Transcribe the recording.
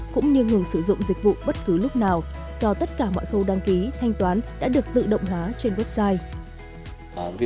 cũng như ngừng sử dụng dịch vụ bất cứ lúc nào do tất cả mọi khâu đăng ký thanh toán đã được tự động hóa trên website